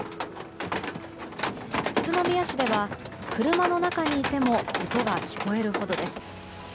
宇都宮市では車の中にいても音が聞こえるほどです。